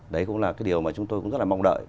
đấy cũng là cái điều mà chúng tôi cũng rất là mong đợi